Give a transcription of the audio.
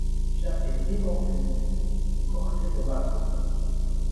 J'avais gaîment cueillie au corset de Margot ;